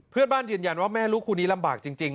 เพื่อนบ้านยืนยันว่าแม่ลูกคู่นี้ลำบากจริง